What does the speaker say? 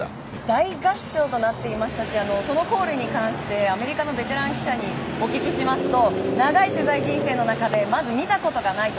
大合唱となっていましたしそのコールに関してアメリカのベテラン記者にお聞きしますと長い取材人生の中でまず、見たことがないと。